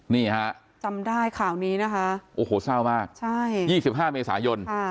นี่ฮะจำได้ข่าวนี้นะคะโอ้โหเศร้ามาก๒๕เมษายน